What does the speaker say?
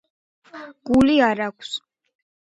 გული არ აქვს.